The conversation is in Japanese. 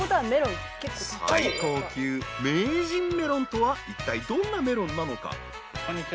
［最高級名人メロンとはいったいどんなメロンなのか？］